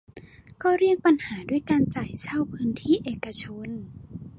ก็เลี่ยงปัญหาด้วยการจ่ายเช่าพื้นที่เอกชน